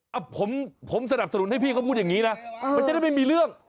อ่ะผมสนับสนุนให้พี่เขาพูดอย่างนี้นะมันจะได้ไม่มีเรื่อง